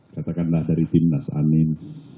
katakanlah dari tim nasamin